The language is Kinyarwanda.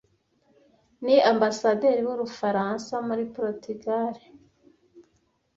Ni ambasaderi w’Ubufaransa muri Porutugali.